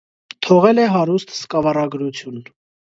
Թողել է հարուստ սկավառագրություն։